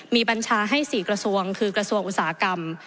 มีบัญชาให้๔กระทรวงคือกระทรวงอุตสาหกรรม